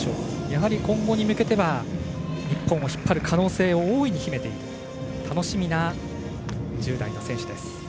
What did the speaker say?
やはり、今後に向けては日本を引っ張る可能性を大いに秘めている楽しみな１０代の選手です。